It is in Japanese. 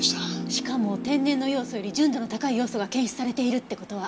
しかも天然のヨウ素より純度の高いヨウ素が検出されているって事は。